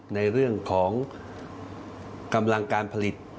ในเรื่องของกำลังการผลิต